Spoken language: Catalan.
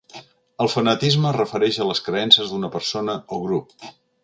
El fanatisme es refereix a les creences d'una persona o grup.